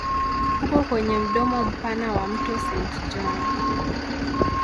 Uko kwenye mdomo mpana wa mto Saint John.